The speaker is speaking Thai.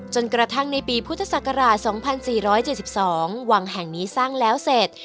จนกระทั่งในปีพุทธศักราช๒๔๗๒วังแห่งนี้สร้างแล้วเสร็จ